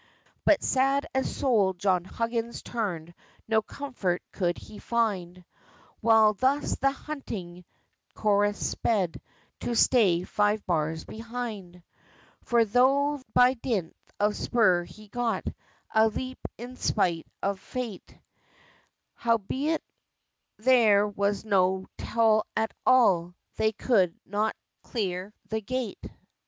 But sad at soul John Huggins turned: No comfort could he find; While thus the "Hunting Chorus" sped, To stay five bars behind. For tho' by dint of spur he got A leap in spite of fate Howbeit there was no toll at all, They could not clear the gate.